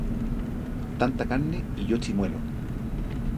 Tanta carne y yo chimuelo